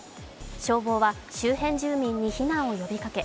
消防は周辺住民に避難を呼びかけ